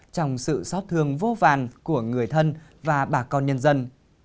trong sự xót thương vô vàn của người thân và bà con nhân dân